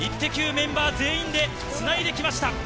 メンバー全員でつないできました。